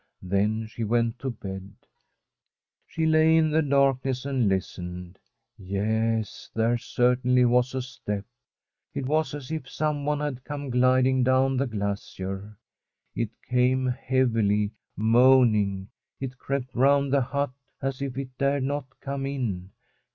Then she went to bed. She lay in the darkness and listened. Yes, there certainly was a step. It was as if someone had come gliding down the glacier. It came heavily, moaning. It crept round the hut as if it dared not come in.